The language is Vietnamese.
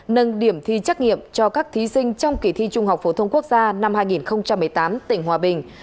nâng điểm thi trắc nghiệm cho các thí sinh trong kỳ thi trung học phổ thông quốc gia năm hai nghìn một mươi tám tỉnh hòa bình